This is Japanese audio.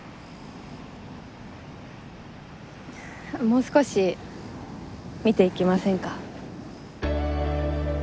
もう少し見ていきませんか？